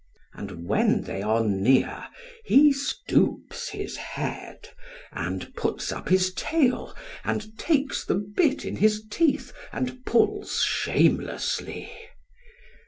And when they are near he stoops his head and puts up his tail, and takes the bit in his teeth and pulls shamelessly.